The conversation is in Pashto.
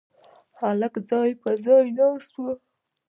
هلک ځای پر ځای ناست و.